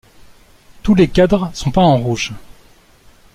Tous les cadres sont peints en rouge.